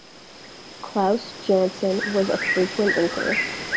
Klaus Janson was a frequent inker.